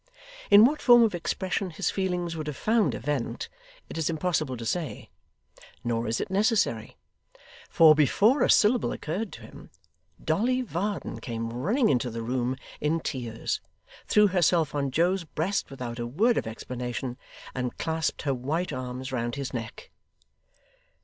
In what form of expression his feelings would have found a vent, it is impossible to say. Nor is it necessary: for, before a syllable occurred to him, Dolly Varden came running into the room, in tears, threw herself on Joe's breast without a word of explanation, and clasped her white arms round his neck.